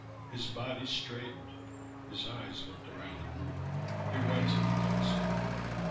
His body straightened, his eyes looked around the room, he went to the desk.